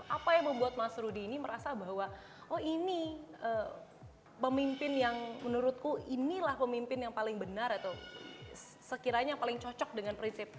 apa yang membuat mas rudy ini merasa bahwa oh ini pemimpin yang menurutku inilah pemimpin yang paling benar atau sekiranya yang paling cocok dengan prinsip